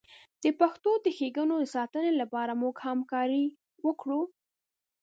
د پښتو د ښیګڼو د ساتنې لپاره موږ همکاري وکړو.